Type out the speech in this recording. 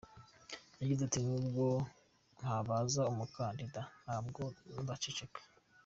Yagize ati” nubwo ntazaba umukandida, ntabwo nzaceceka.